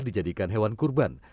dijadikan hewan kurban